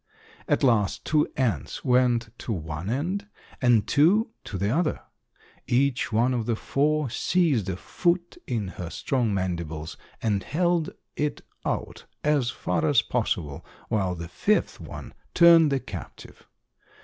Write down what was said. At last two ants went to one end and two to the other. Each one of the four seized a foot in her strong mandibles and held it out as far as possible, while the fifth one turned the captive.